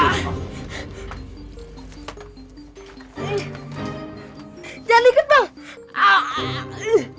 jangan ikut pak